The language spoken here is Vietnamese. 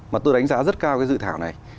mà tôi đánh giá rất cao cái dự thảo này